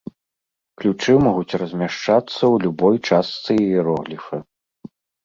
Ключы могуць размяшчацца ў любой частцы іерогліфа.